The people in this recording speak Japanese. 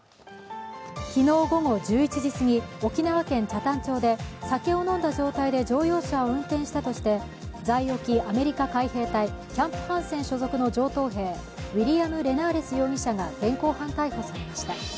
昨日午後１１時すぎ、沖縄県北谷町で酒を飲んだ状態で乗用車を運転したとして在沖アメリカ海兵隊キャンプ・ハンセン所属の上等兵ウィリアム・レナーレス容疑者が現行犯逮捕されました。